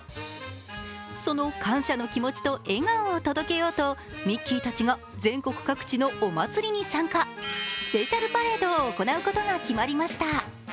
その感謝の気持ちと笑顔を届けようとミッキーたちが全国各地のお祭りに参加、スペシャルパレードを行うことが決まりました。